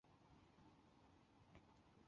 博拉泽克人口变化图示